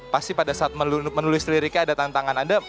pasti pada saat menulis liriknya ada tantangan anda